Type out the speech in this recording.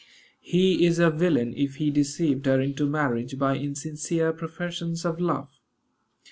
He is a villain if he deceived her into marriage by insincere professions of love.